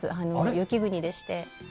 雪国でして。